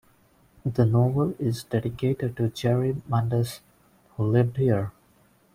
The novel is dedicated to Jerry Mundis, who lived here.